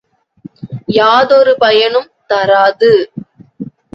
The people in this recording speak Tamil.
யாதொரு பயனும் தராது!